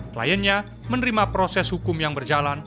kliennya menerima proses hukum yang berjalan